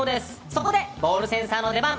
そこで、ボールセンサーの出番。